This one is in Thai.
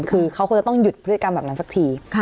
คือเขาคงจะต้องหยุดพฤติกรรมแบบนั้นสักที